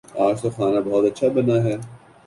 آج تو کھانا بہت اچھا بنا ہے